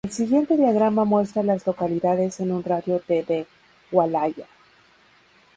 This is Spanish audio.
El siguiente diagrama muestra a las localidades en un radio de de Walhalla.